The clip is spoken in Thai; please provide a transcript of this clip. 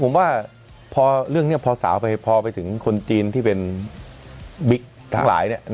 ผมว่าพอเรื่องนี้พอสาวพอไปถึงคนจีนที่เป็นบิ๊กทั้งหลาย